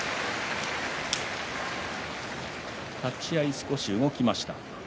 立ち合い少し動きました。